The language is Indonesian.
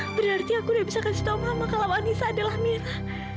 berarti aku tidak bisa kasih tahu mama kalau anissa adalah merah